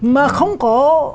mà không có